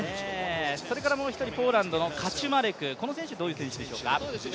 それからもう一人、ポーランドのカチュマレク、どういう選手でしょうか。